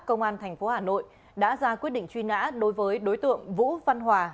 công an tp hà nội đã ra quyết định truy nã đối với đối tượng vũ văn hòa